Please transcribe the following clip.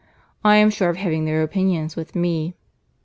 I am sure of having their opinions with me."